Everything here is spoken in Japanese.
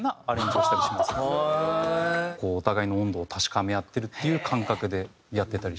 こうお互いの温度を確かめ合ってるっていう感覚でやってたりします。